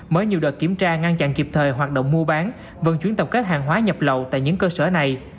mới nhiều đợt kiểm tra ngăn chặn kịp thời hoạt động mua bán vận chuyển tập kết hàng hóa nhập lậu tại những cơ sở này